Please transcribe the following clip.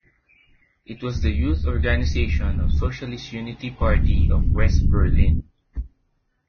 It was the youth organization of Socialist Unity Party of West Berlin.